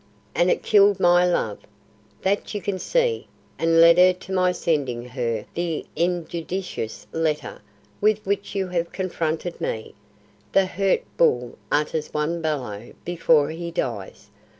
And it killed my love that you can see and led to my sending her the injudicious letter with which you have confronted me. The hurt bull utters one bellow before he dies.